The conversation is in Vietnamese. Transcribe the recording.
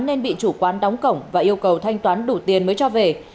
nên bị chủ quán đóng cổng và yêu cầu thanh toán đủ tiền mới cho về